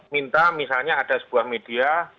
minta misalnya ada sebuah media